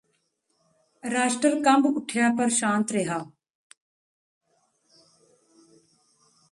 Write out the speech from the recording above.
ਰਾਸ਼ਟਰ ਕੰਬ ਉਠਿਆ ਪਰ ਸ਼ਾਂਤ ਰਿਹਾ